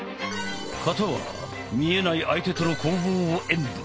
形は見えない相手との攻防を演武。